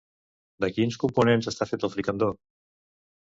De quins components està fet el fricandó?